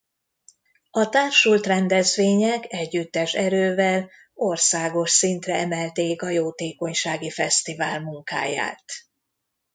A társult rendezvények együttes erővel országos szintre emelték a jótékonysági fesztivál munkáját.